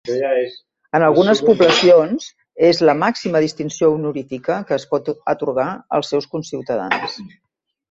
En algunes poblacions, és la màxima distinció honorífica que es pot atorgar als seus conciutadans.